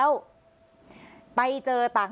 สวัสดีครับ